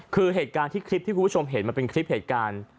คือเหตุการณ์ที่คลิปที่คุณผู้ชมเห็นมันเป็นคลิปเหตุการณ์